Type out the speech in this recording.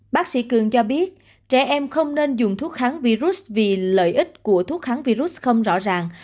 bác sĩ cường cho biết trẻ em không nên dùng thuốc kháng virus vì lợi ích của thuốc kháng virus không rõ ràng